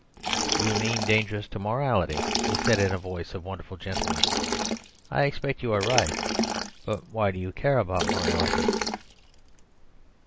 "You mean dangerous to morality," he said in a voice of wonderful gentleness. "I expect you are right. But why do you care about morality?"